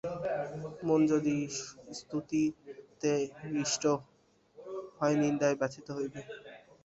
মন যদি স্তুতিতে হৃষ্ট হয়, নিন্দায় ব্যথিত হইবে।